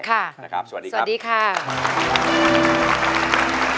ค่ะสวัสดีครับสวัสดีค่ะแปป